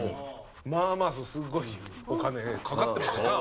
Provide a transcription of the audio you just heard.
まあまあすごいお金かかってますわな。